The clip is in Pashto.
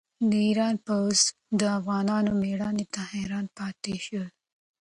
د ایران پوځ د افغانانو مېړانې ته حیران پاتې شو.